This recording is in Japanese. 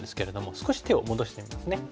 少し手を戻してみますね。